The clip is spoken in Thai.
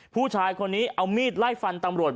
ผู้ชายคนนี้เอามีดไล่ฟันตำรวจ